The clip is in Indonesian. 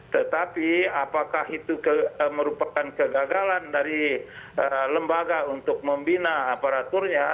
tetapi apakah itu merupakan kegagalan dari lembaga untuk membina aparaturnya